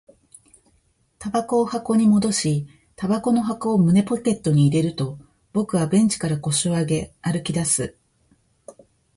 煙草を箱に戻し、煙草の箱を胸ポケットに入れると、僕はベンチから腰を上げ、歩き出す